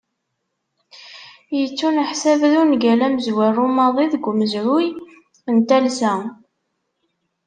Yettuneḥsab d ungal amezwaru maḍi deg umezruy n talsa.